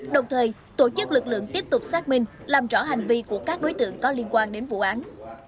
đồng thời tổ chức lực lượng tiếp tục xác minh làm rõ hành vi của các đối tượng có liên quan đến vụ án